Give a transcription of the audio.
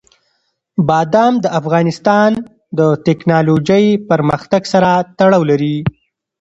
بادام د افغانستان د تکنالوژۍ پرمختګ سره تړاو لري.